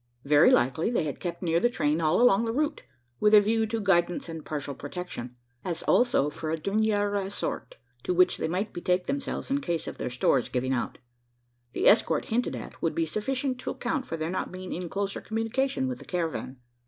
Very likely, they had kept near the train all along the route with a view to guidance and partial protection as also for a dernier ressort to which they might betake themselves in case of their stores giving out. The escort, hinted at, would be sufficient to account for their not being in closer communication with the caravan.